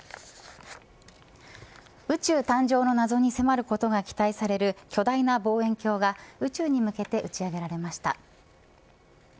宇宙誕生の謎に迫ることが期待される巨大な望遠鏡が宇宙に向けて打ち上げられました。